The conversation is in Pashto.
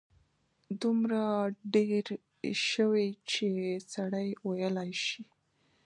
دومره ډېر شوي چې سړی ویلای شي.